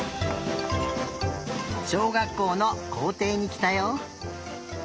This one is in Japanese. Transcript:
しょうがっこうのこうていにきたよ。